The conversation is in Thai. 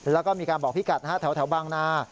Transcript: แล้วก็มีการบอกพี่กัดแถวบางนา